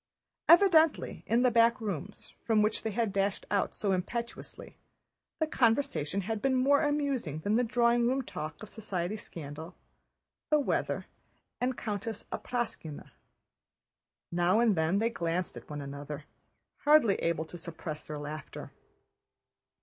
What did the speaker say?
Evidently in the back rooms, from which they had dashed out so impetuously, the conversation had been more amusing than the drawing room talk of society scandals, the weather, and Countess Apráksina. Now and then they glanced at one another, hardly able to suppress their laughter.